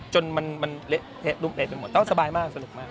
จนมันเหละดุ้งเปล็ดไปหมดแต่ว่าสบายมากสนุกมาก